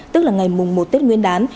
tức là ngày một tết nguyên đán